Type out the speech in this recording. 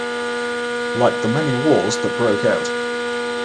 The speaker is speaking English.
Like the many wars that broke out.